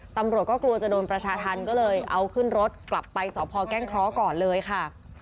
ตำรวจก็กลัวจะโดนประชาธรรมก็เลยเอาขึ้นรถกลับไปสพแก้งเคราะห์ก่อนเลยค่ะ